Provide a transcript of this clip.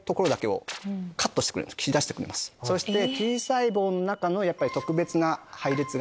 そして。